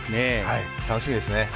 はい、楽しみですね。